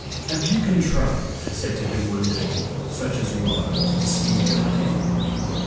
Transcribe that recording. "How have you contrived," I said to him one day, "such as you are, to deceive De la Haye?"